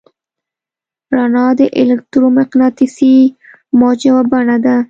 رڼا د الکترومقناطیسي موج یوه بڼه ده.